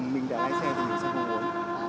mình đã lái xe thì sẽ không uống